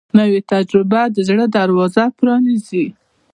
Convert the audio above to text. نوې تجربه د زړه دروازه پرانیزي